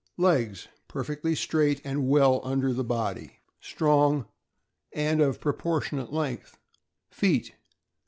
Legs. — Perfectly straight, and well under the body, strong, and of proportionate length. Feet.